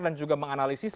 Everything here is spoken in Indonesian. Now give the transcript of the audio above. dan juga menganalisis